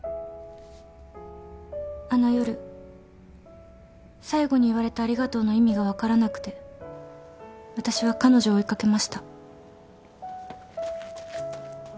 あの夜最後に言われた「ありがとう」の意味が分からなくて私は彼女を追い掛けました。